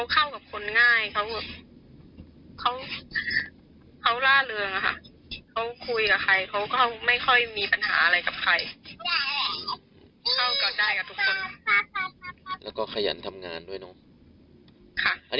ก็เขาเรียนจบเขาก็ทำงานที่นั่น